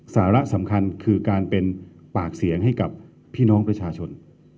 สาระสำคัญคือการเป็นปากเสียงให้กับพี่น้องประชาชน